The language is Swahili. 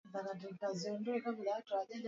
Ili yeyote amwaminio aokoke.